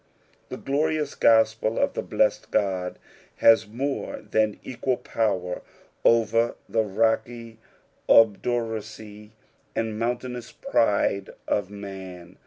The glorious gospel of the blessed Ood has more than equal power over the rocky obduracy and mountaiaona pride of man.